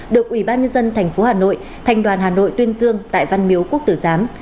được ủy ban nhân dân thành phố hà nội thành đoàn hà nội tuyên dương tại văn miếu quốc tử giám